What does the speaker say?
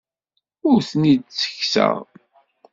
Ur ten-id-ttekkseɣ.